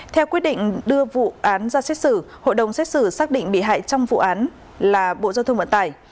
theo quyết định đưa vụ án ra xét xử hội đồng xét xử xác định bị hại trong vụ án là bộ giao thông vận tải